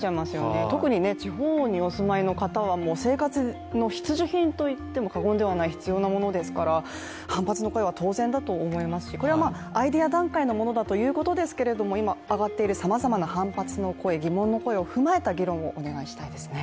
特に地方にお住まいの方は生活の必需品といっても過言ではないくらい必要なものですから、反発の声は当然だと思いますしこれはアイデア段階のものだということですけれども、今あがっているさまざまな反発の声、疑問の声を踏まえた議論をお願いしたいですね。